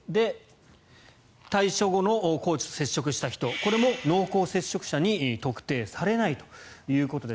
退所後のコーチと接触した人これも濃厚接触者に特定されないということです。